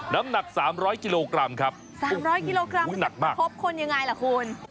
น้ำหนักสามร้อยกิโลกรัมครับสามร้อยกิโลกรัมนี่จะประคบคนยังไงล่ะคุณ